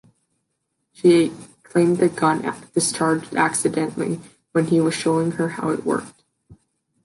She claimed the gun discharged accidentally, when he was showing her how it worked.